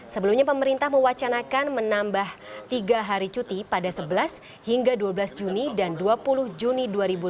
sebelumnya pemerintah mewacanakan menambah tiga hari cuti pada sebelas hingga dua belas juni dan dua puluh juni dua ribu delapan belas